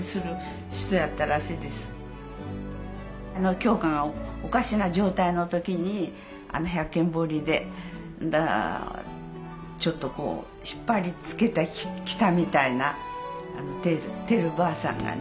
鏡花がおかしな状態の時に百間堀で引っ張りつけてきたみたいなてるばあさんがね。